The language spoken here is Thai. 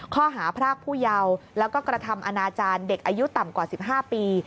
ข้อหาพรากผู้เยาว์แล้วก็กระทำอนาจารย์เด็กอายุต่ำกว่า๑๕ปี